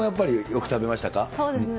そうですね。